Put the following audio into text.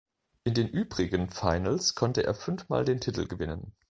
In den übrigen Finals konnte er fünfmal den Titel gewinnen.